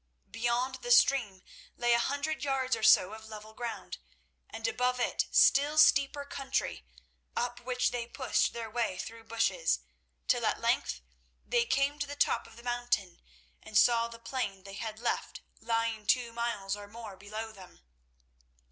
Beyond the stream lay a hundred yards or so of level ground, and above it still steeper country, up which they pushed their way through bushes, till at length they came to the top of the mountain and saw the plain they had left lying two miles or more below them.